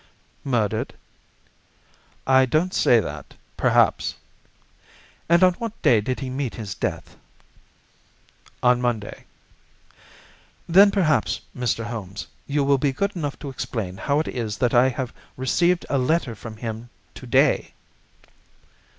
"Murdered?" "I don't say that. Perhaps." "And on what day did he meet his death?" "On Monday." "Then perhaps, Mr. Holmes, you will be good enough to explain how it is that I have received a letter from him to day."